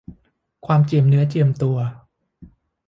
ความเจียมเนื้อเจียมตัว